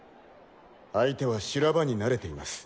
相手は修羅場に慣れています。